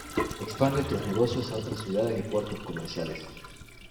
Expande tus negocios a otras ciudades y puertos comerciales.